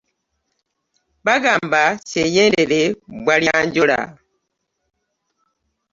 Bagamba kyeyendere bbwa lya njola.